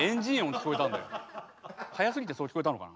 速すぎてそう聞こえたのかな？